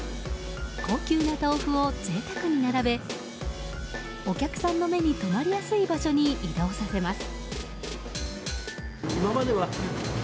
高級な豆腐を贅沢に並べお客さんの目に留まりやすい場所に移動させます。